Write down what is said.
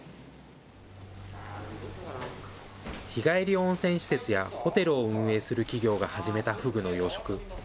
日帰り温泉施設やホテルを運営する企業が始めたフグの養殖。